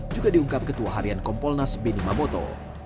juga diungkap ketua harian kompolnas beni mamoto